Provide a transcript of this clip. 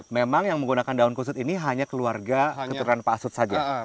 memang yang menggunakan daun kusut ini hanya keluarga keturunan pak asut saja